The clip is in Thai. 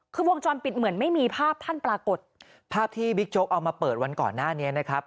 คือวงจรปิดเหมือนไม่มีภาพท่านปรากฏภาพที่บิ๊กโจ๊กเอามาเปิดวันก่อนหน้านี้นะครับ